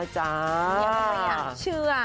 ยังไม่อยากเชื่อ